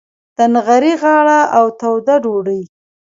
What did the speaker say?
د نغري غاړه او توده ډوډۍ.